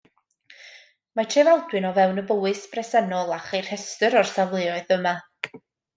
Mae Trefaldwyn o fewn y Bowys bresennol a cheir rhestr o'r safleoedd yma.